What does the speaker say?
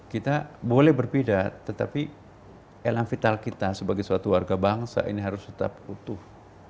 kita boleh berbeda tetapi elang vital kita sebagai suatu warga bangsa ini harus tetap utuh